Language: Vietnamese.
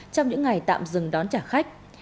trong những ngày tạm dừng đón trả khách